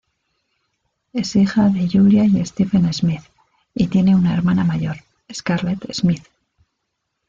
Es hija de Julia y Stephen Smith, y tiene una hermana mayor, Scarlett Smith.